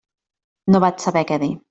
No vaig saber què dir.